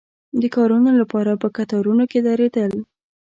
د کارونو لپاره په کتارونو کې درېدل.